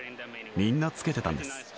みんな着けてたんです。